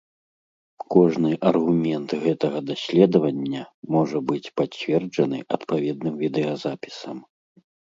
Кожны аргумент гэтага даследавання можа быць пацверджаны адпаведным відэазапісам.